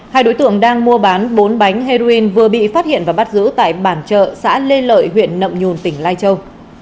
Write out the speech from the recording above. hai đối tượng đang mua bán bốn bánh heroin vừa bị phát hiện và bắt giữ tại bản chợ xã lê lợi huyện nậm nhùn tỉnh lai châu